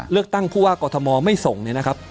เลือกตั้งผู้ว่ากอทมไม่ส่งเนี่ยนะครับ